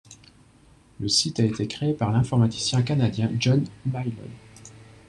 Le site a été créé par l'informaticien canadien John Malyon.